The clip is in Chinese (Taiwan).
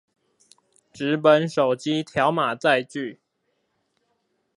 紙本手機條碼載具